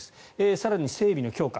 更に設備の強化。